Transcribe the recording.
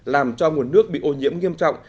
làm cho nguồn nước bị ô nhiễm nghiêm trọng